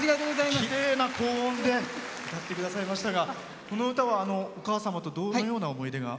きれいな高音で歌ってくださいましたがこの歌は、お母様とどのような思い出が？